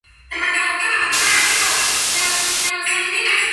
Los votantes la pusieron de nuevo en los dos de abajo.